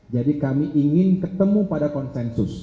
jadi kami ingin ketemu pada konsensus